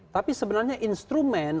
tapi sebenarnya instrumen